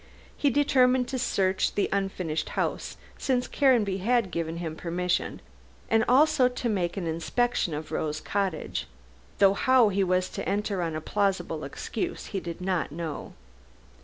He determined to search the unfinished house, since Caranby had given him permission, and also to make an inspection of Rose Cottage, though how he was to enter on a plausible excuse he did not know.